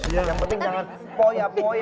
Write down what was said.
yang penting jangan poya poya